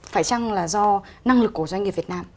phải chăng là do năng lực của doanh nghiệp việt nam